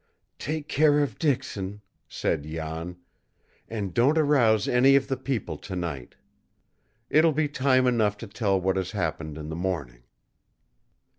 "Take care of Dixon," said Jan, "and don't arouse any of the people to night. It will be time enough to tell what has happened in the morning."